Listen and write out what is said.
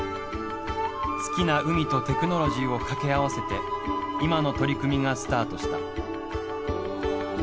好きな海とテクノロジーを掛け合わせて今の取り組みがスタートした。